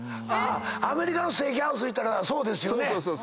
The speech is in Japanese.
アメリカのステーキハウス行ったらそうですよね。